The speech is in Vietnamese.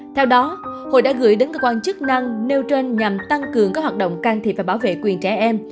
theo đó hội đã gửi đến cơ quan chức năng nêu trên nhằm tăng cường các hoạt động can thiệp và bảo vệ quyền trẻ em